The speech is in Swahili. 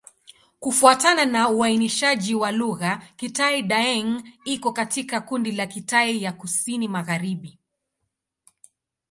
Kufuatana na uainishaji wa lugha, Kitai-Daeng iko katika kundi la Kitai ya Kusini-Magharibi.